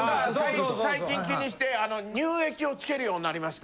最近気にして乳液をつけるようになりました。